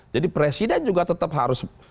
jadi presiden juga tetap harus